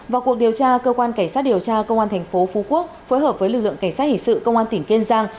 vào cuộc điều tra cơ quan cảnh sát điều tra công an thành phố phú quốc phối hợp với lực lượng cảnh sát hình sự công an tỉnh kiên giang